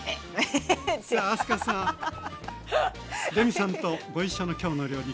さあ明日香さんレミさんとご一緒の「きょうの料理」